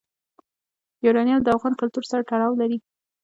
یورانیم د افغان کلتور سره تړاو لري.